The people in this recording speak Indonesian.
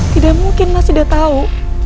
tidak mungkin mas sudah tahu